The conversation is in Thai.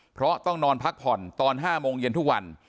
เพราะต้องนอนพักผ่อนตอน๕โมงเย็นทุกวัน